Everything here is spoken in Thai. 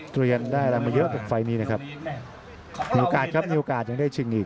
ตัวไม่ได้เริ่มเต้ากับไฟนี่นะครับยกราดนี้ครับยกราดยังได้ชึงอีก